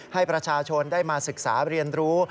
ให้ประชาชนได้มาศึกษาเรียนรู้